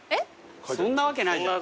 そんなわけないじゃん。